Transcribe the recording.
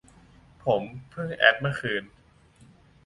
ผมเพิ่งแอดเมื่อคืน